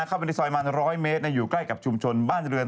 เข้าไปในซอยประมาณ๑๐๐เมตรอยู่ใกล้กับชุมชนบ้านเรือน